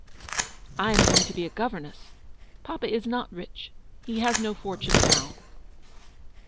u I am going to be a governess. Papa is not rich. He has no fortune now."